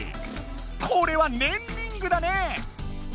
これはねんリングだね！